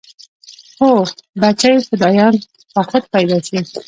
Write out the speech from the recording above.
هو بچى فدايان به خود پيدا شي.